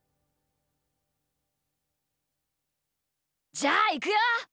じゃあいくよ？